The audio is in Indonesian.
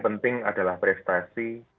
penting adalah prestasi